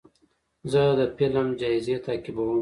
زه د فلم جایزې تعقیبوم.